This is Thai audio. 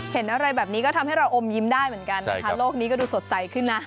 เห็นอะไรแบบนี้ก็ทำให้เราอมยิ้มได้เหมือนกันนะคะโลกนี้ก็ดูสดใสขึ้นนะ